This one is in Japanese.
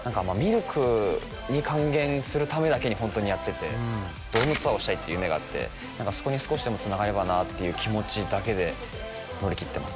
ＬＫに還元するためだけにホントにやっててうんドームツアーをしたいって夢があって何かそこに少しでもつながればなっていう気持ちだけで乗り切ってます